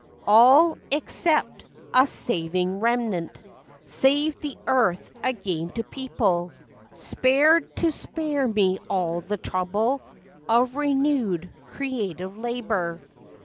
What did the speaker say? " All: except a ' saving remnant,' Saved the earth again to people, Spared, to spare me all the trouble Of renewed creative labor.